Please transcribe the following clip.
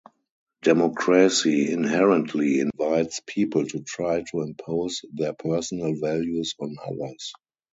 Democracy inherently invites people to try to impose their personal values on others.